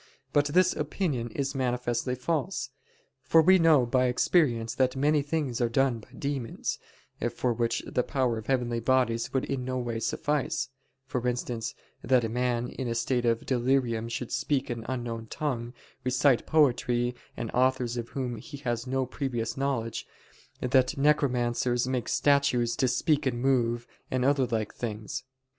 But this opinion is manifestly false. For we know by experience that many things are done by demons, for which the power of heavenly bodies would in no way suffice: for instance, that a man in a state of delirium should speak an unknown tongue, recite poetry and authors of whom he has no previous knowledge; that necromancers make statues to speak and move, and other like things.